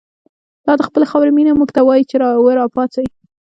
لا دخپلی خاوری مینه، مونږ ته وایی چه ر ا پا څۍ